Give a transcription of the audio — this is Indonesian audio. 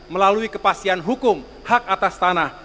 melalui kepastian hukum hak atas tanah